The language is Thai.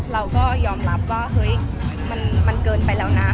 เราก็ยอมรับว่าเฮ้ยมันเกินไปแล้วนะ